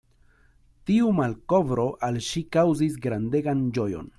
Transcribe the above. Tiu malkovro al ŝi kaŭzis grandegan ĝojon.